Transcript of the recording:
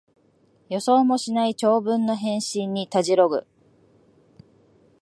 予想もしない長文の返信にたじろぐ